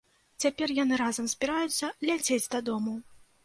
Цяпер яны разам збіраюцца ляцець дадому.